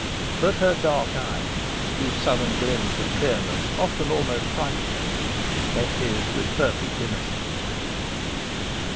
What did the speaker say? But her dark eyes, whose southern glint and clearness often almost frightened him, met his with perfect innocence.